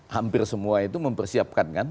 hampir semua itu mempersiapkan kan